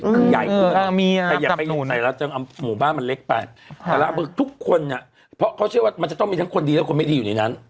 คือใหญ่ขึ้นแต่อย่าไปอยู่ไหนหมู่บ้านมันเล็กไปแต่ละอำเภอทุกคนเพราะเขาเชื่อว่ามันจะต้องมีทั้งคนดีและคนไม่ดีอยู่ในนั้น